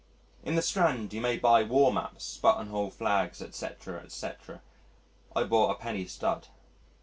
In the Strand you may buy war maps, buttonhole flags, etc., etc. I bought a penny stud.